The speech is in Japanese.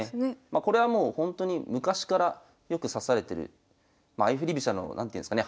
これはもうほんとに昔からよく指されてる相振り飛車の何ていうんですかね